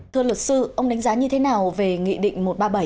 thưa luật sư ông đánh giá như thế nào về nghị định một trăm ba mươi bảy